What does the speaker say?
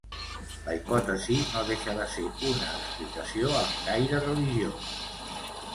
La hipòtesi no deixa de ser una explicació amb caire religiós.